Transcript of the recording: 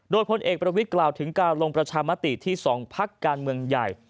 โดยพลเอกประวิทย์กล่าวถึงการลงประชามติที่๒พักการเมืองใหญ่